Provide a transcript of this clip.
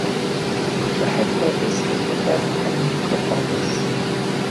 The head office is located in Nikko Office.